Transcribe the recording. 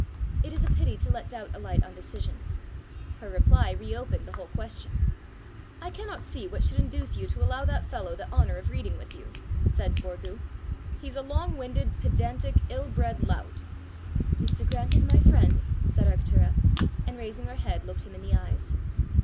It is a pity to let doubt alight on decision. Her reply re opened the whole question. "I cannot see what should induce you to allow that fellow the honour of reading with you!" said Forgue. "He's a long winded, pedantic, ill bred lout!" "Mr. Grant is my friend!" said Arctura, and raising her head looked him in the eyes.